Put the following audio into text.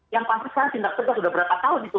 yang panggilan tindak pecat sudah berapa tahun itu